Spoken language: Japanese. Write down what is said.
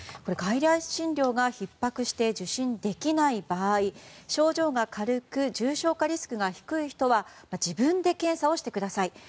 外来診療がひっ迫して受診できない場合症状が軽く重症化リスクが低い人は自分で検査をしてください。